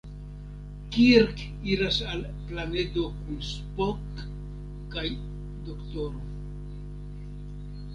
Kirk iras al planedo kun Spock kaj D-ro.